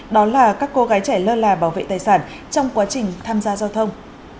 đó là các cô gái trẻ lơ là bảo vệ tài sản trong quá trình tham gia giao thông